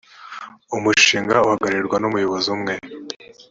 umushinga uhagararirwa numuyobozi umwe.